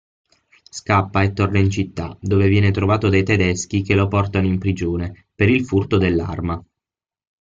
Scappa e torna in città dove viene trovato dai tedeschi che lo portano in prigione per il furto dell'arma.